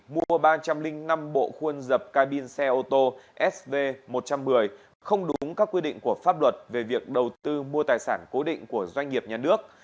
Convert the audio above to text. mua ba trăm linh năm bộ khuôn dập ca bin xe ô tô sv một trăm một mươi không đúng các quy định của pháp luật về việc đầu tư mua tài sản cố định của doanh nghiệp nhà nước